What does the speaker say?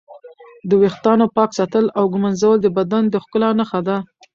د ویښتانو پاک ساتل او ږمنځول د بدن د ښکلا نښه ده.